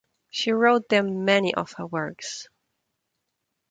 She wrote there many of her works.